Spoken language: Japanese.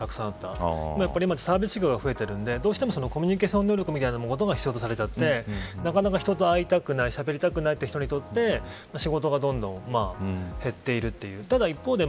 だけど今はサービス業が増えているのでコミュニケーションの力が必要とされちゃって人と会いたくないしゃべりたくない人にとって仕事がどんどん減っているという。